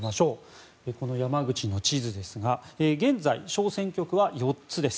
山口の地図ですが現在、小選挙区は４つです。